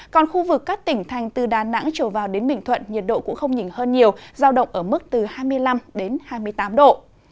còn khu vực các tỉnh thành từ đà nẵng trở vào đến bình thuận nhiệt độ cũng không nhìn hơn nhiều giao động ở mức từ hai mươi năm đến hai mươi tám độ